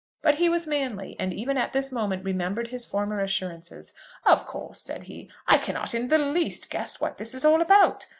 But he was manly, and even at this moment remembered his former assurances. "Of course," said he, "I cannot in the least guess what all this is about.